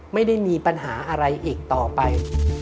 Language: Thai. ไม่ได้มีปัญหาอะไรอีกต่อไป